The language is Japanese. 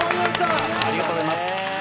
ありがとうございます。